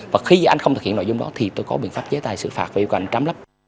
và khi anh không thực hiện nội dung đó thì tôi có biện pháp chế tài xử phạt và yêu cầu anh trám lấp